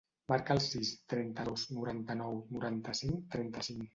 Marca el sis, trenta-dos, noranta-nou, noranta-cinc, trenta-cinc.